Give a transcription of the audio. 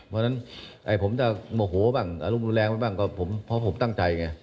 เพราะฉะนั้นผมจะโมโหบ้างอารมณ์รุนแรงไปบ้างก็เพราะผมตั้งใจไง